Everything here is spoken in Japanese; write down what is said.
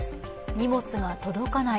荷物が届かない。